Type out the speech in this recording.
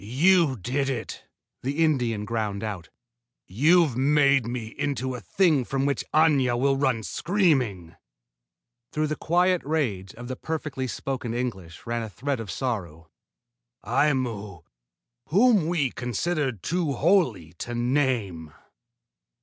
"You did it!" the Indian ground out. "You've made me into a thing from which Aña will run screaming." Through the quiet rage of the perfectly spoken English ran a thread of sorrow. "Aimu, whom we considered too holy to name!"